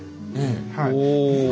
はい。